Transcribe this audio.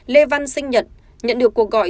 lê văn sinh nhật nhận được cuộc gọi